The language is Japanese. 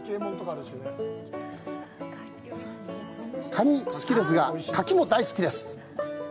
カニ好きですが、カキも大好きです！